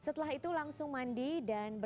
setelah itu langsung mandi dan berganti dengan air